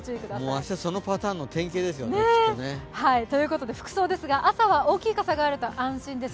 明日、そのパターンの典型ですよね。ということで服装ですが、朝は大きい傘があると安心です。